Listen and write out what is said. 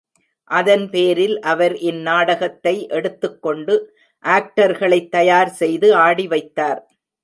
அதன் பேரில் அவர் இந் நாடகத்தை எடுத்துக் கொண்டு ஆக்டர்களைத் தயார் செய்து ஆடி வைத்தார்.